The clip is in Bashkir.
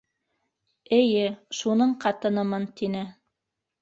Эйе, шуның ҡатынымын тине.